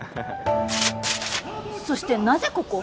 そしてなぜここ？